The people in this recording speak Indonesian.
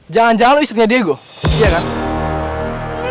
jangan jangan lo istrinya diego iya kan